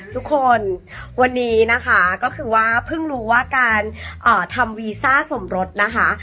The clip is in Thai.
ทุกวันวันนี้นะคะก็คือว่าเพิ่งรู้ว่าการทำวีซ่าสมรสนะคะ